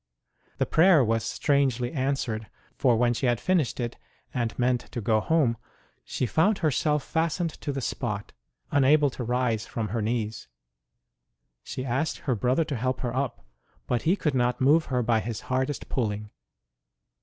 The prayer was strangely answered, for when she had finished it, and meant to go home, she found herself fastened to the spot, unable to rise from her knees. She asked her brother to help her up, but he could not move her by his hardest pulling.